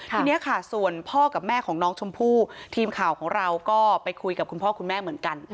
ทีนี้ค่ะส่วนพ่อกับแม่ของน้องชมพู่ทีมข่าวของเราก็ไปคุยกับคุณพ่อคุณแม่เหมือนกัน